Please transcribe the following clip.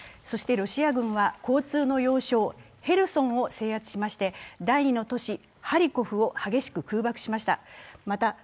そしてロシア軍は交通の要衝、ヘルソンを制圧しまして、第２の都市、ハリコフを激しく空爆しました。